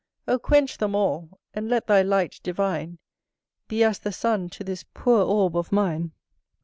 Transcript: Oh quench them all! and let thy Light divine Be as the sun to this poor orb of mine!